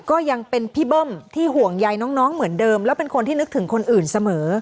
ก็ยังเป็นพี่เบิ้มที่ห่วงใยน้องเหมือนเดิมแล้วเป็นคนที่นึกถึงคนอื่นเสมอ